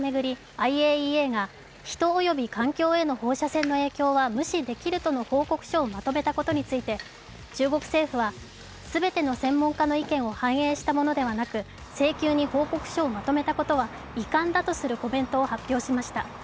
ＩＡＥＡが人及び環境への放射線の影響は無視できるとの報告書をまとめたことについて、中国政府はすべての専門家の意見を反映したものではなく性急に報告書をまとめたことは遺憾だとするコメントを発表しました。